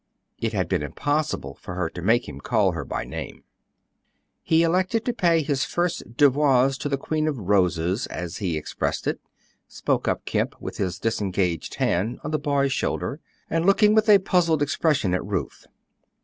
It had been impossible for her to make him call her by name. "He elected to pay his first devoirs to the Queen of Roses, as he expressed it," spoke up Kemp, with his disengaged hand on the boy's shoulder, and looking with a puzzled expression at Ruth.